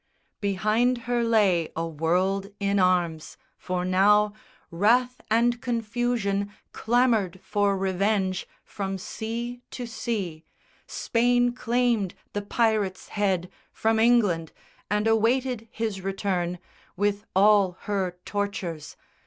Behind her lay a world in arms; for now Wrath and confusion clamoured for revenge From sea to sea. Spain claimed the pirate's head From England, and awaited his return With all her tortures.